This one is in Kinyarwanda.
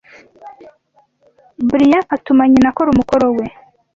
Brian atuma nyina akora umukoro we.